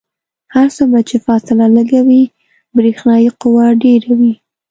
هر څومره چې فاصله لږه وي برېښنايي قوه ډیره وي.